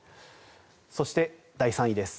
そして、第３位です。